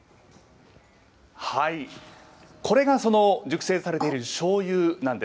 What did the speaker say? これがその熟成されているしょうゆなんです。